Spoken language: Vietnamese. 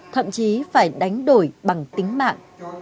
thậm chí phải đánh đổi bằng tính mạng